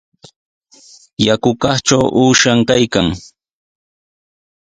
Yakukaqtraw uushan kaykan.